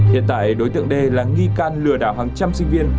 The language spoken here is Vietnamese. hiện tại đối tượng đê là nghi can lừa đảo hàng trăm sinh viên